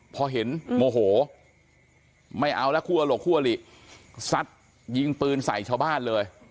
พอเห็นโมโหไม่เอาแล้วคู่อลกคู่อลิซัดยิงปืนใส่ชาวบ้านเลย